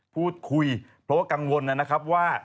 พูดคุยเพราะว่ากังวลนะครับว่า